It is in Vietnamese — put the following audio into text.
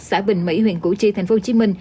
xã bình mỹ huyện củ chi tp hcm